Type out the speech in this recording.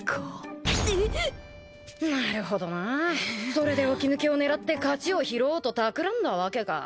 それで起き抜けを狙って勝ちを拾おうとたくらんだわけか。